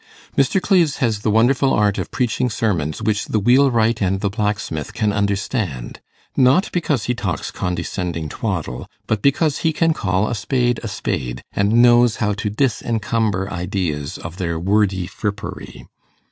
Mr. Cleves has the wonderful art of preaching sermons which the wheelwright and the blacksmith can understand; not because he talks condescending twaddle, but because he can call a spade a spade, and knows how to disencumber ideas of their wordy frippery.